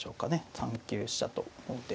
３九飛車と王手。